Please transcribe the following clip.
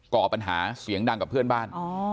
ก่อปัญหาเสียงดังกับเพื่อนบ้าน